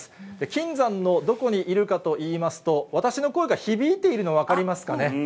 金山のどこにいるかといいますと、私の声が響いているの、分かりますかね。